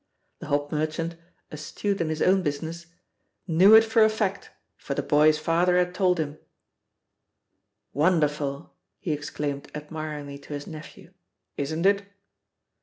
The hop merchant, astute in his own busi ness, *'knew it for a fact, for the boy's father had told him," "Wonderful 1" he exclaimed admiringly to his nephew ; "isn't it